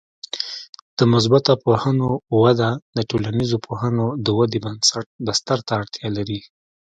د مثبته پوهنو وده د ټولنیزو پوهنو د ودې بستر ته اړتیا لري.